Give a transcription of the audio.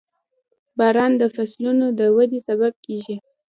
• باران د فصلونو د ودې سبب کېږي.